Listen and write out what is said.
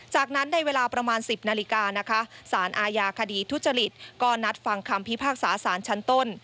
จากนั้นในเวลาประมาณ๑๐นาฬิกานะคะสารอาญาคดีทุจริตก็นัดฟังคำพิพากษาสารชั้นต้น